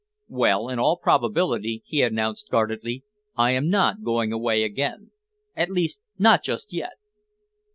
"Well, in all probability," he announced guardedly, "I am not going away again at least not just yet."